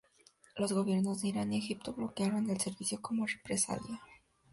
Los gobiernos de Irán y Egipto bloquearon el servicio como represalia.